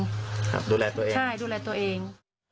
ดูแลตัวเองใช่ดูแลตัวเอง